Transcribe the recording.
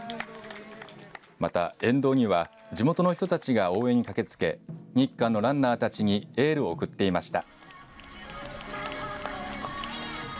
また、沿道には地元の人たちが応援に駆けつけ日韓のランナーたちにエールを送っていました。